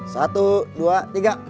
satu dua tiga